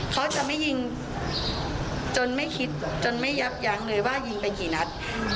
เขาจะไม่ยิงจนไม่คิดจนไม่ยับยั้งเลยว่ายิงไปกี่นัด